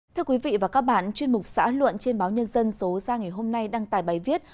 thưa quý vị và các bạn chuyên mục xã luận trên báo nhân dân số ra ngày hôm nay đăng tải bài viết